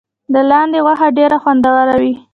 د لاندي غوښه ډیره خوندوره وي.